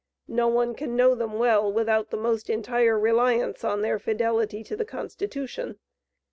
No one can know them well, without the most entire reliance on their fidelity to the constitution.